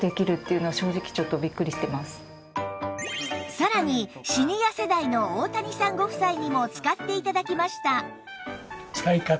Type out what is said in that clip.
さらにシニア世代の大谷さんご夫妻にも使って頂きました